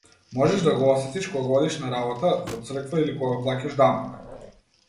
Можеш да го осетиш кога одиш на работа, во црква или кога плаќаш данок.